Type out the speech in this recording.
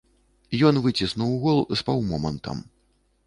Ён выціснуў гол з паўмомантам.